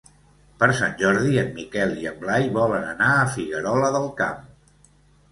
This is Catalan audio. Per Sant Jordi en Miquel i en Blai volen anar a Figuerola del Camp.